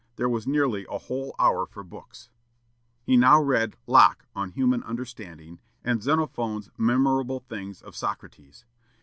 there was nearly a whole hour for books. He now read Locke on "Human Understanding," and Xenophon's "Memorable Things of Socrates."